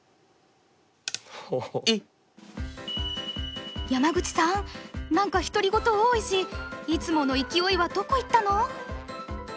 えっ！山口さん何か独り言多いしいつもの勢いはどこ行ったの？